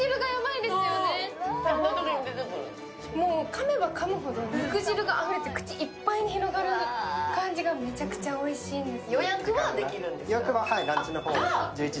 かめばかむほど肉汁があふれて、口いっぱいに広がる感じがめちゃくちゃおいしいです。